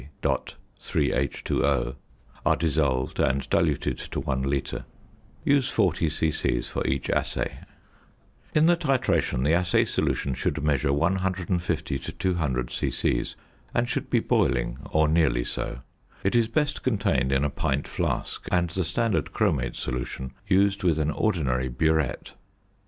3H_O) are dissolved, and diluted to 1 litre. Use 40 c.c. for each assay. In the titration the assay solution should measure 150 to 200 c.c., and should be boiling or nearly so. It is best contained in a pint flask, and the standard chromate solution used with an ordinary burette.